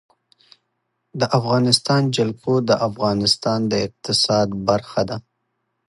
د افغانستان جلکو د افغانستان د اقتصاد برخه ده.